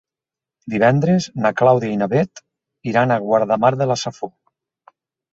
Divendres na Clàudia i na Bet iran a Guardamar de la Safor.